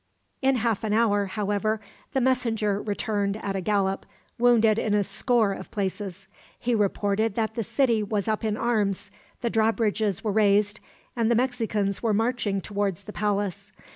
In half an hour, however, the messenger returned at a gallop, wounded in a score of places. He reported that the city was up in arms, the drawbridges were raised, and the Mexicans were marching towards the palace.